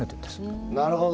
なるほど。